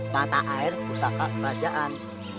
mata air pusaka kerajaan